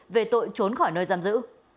về tội trốn khỏi nơi giam giữ